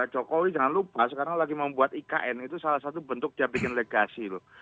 jokowi jangan lupa sekarang lagi membuat ikn itu salah satu bentuk dia bikin legasi loh